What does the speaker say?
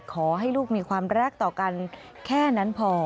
ขอให้ลูกมีความรักต่อกันแค่นั้นพอ